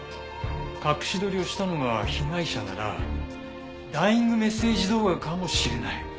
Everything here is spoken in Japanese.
隠し撮りをしたのが被害者ならダイイングメッセージ動画かもしれない。